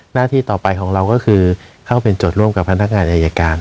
หน้าที่ต่อไปของเราก็คือเข้าเป็นโจทย์ร่วมกับพนักงานอายการ